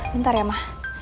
bentar ya ma